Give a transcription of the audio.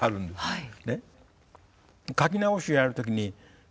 はい。